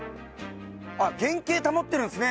あっ原形保ってるんですね